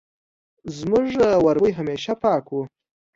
زموږ وربوی همېشه پاک وو